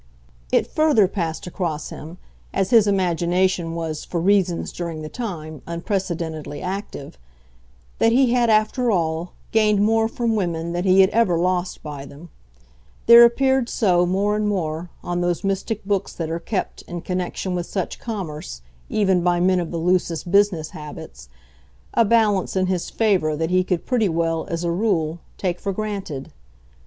It further passed across him, as his imagination was, for reasons, during the time, unprecedentedly active, that he had, after all, gained more from women than he had ever lost by them; there appeared so, more and more, on those mystic books that are kept, in connection with such commerce, even by men of the loosest business habits, a balance in his favour that he could pretty well, as a rule, take for granted.